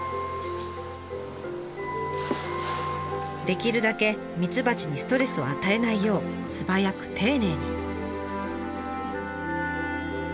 できるだけ蜜蜂にストレスを与えないよう素早く丁寧に。